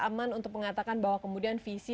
aman untuk mengatakan bahwa kemudian visi